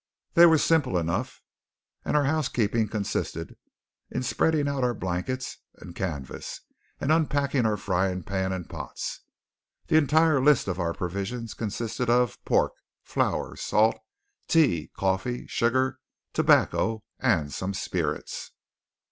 They were simple enough; and our housekeeping consisted in spreading our blankets and canvas, and unpacking our frying pan and pots. The entire list of our provisions consisted of pork, flour, salt, tea, coffee, sugar, tobacco, and some spirits.